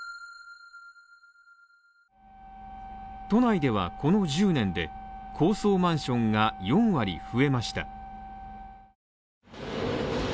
都内ではこの１０年で、高層マンションが４割増えました。